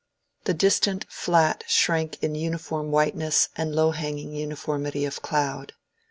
The distant flat shrank in uniform whiteness and low hanging uniformity of cloud.